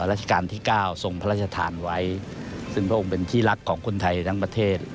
ราชการที่๙ทรงพระราชทานไว้ซึ่งพระองค์เป็นที่รักของคนไทยทั้งประเทศ